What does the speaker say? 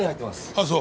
あっそう。